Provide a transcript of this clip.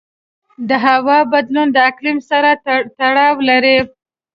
د هوا بدلون د اقلیم سره تړاو لري.